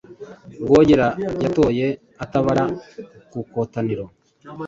Rwogera yatoye atabara kukotaniro